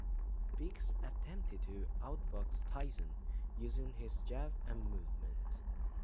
Biggs attempted to outbox Tyson, using his jab and movement.